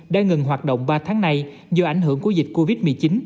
đã ngừng hoạt động ba tháng nay do ảnh hưởng của dịch covid một mươi chín